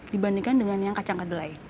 dibandingkan dengan yang kacang kedelai